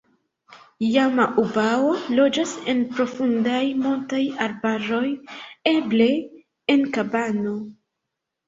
Jama-ubao loĝas en profundaj montaj arbaroj, eble en kabano.